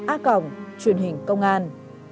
a cổng truyện hình công an